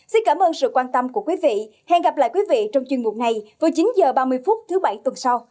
xin cảm ơn sự quan tâm của quý vị hẹn gặp lại quý vị trong chuyên mục này vào chín h ba mươi phút thứ bảy tuần sau